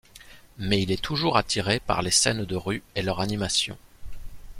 Mais il est toujours attiré par les scènes de rue et leur animation.